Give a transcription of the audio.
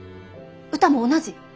歌も同じ。